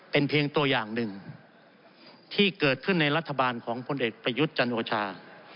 เป็นเพียงตัวอย่างหนึ่งที่เกิดขึ้นในรัฐบาลของพลเอกประยุทธ์จันโอชา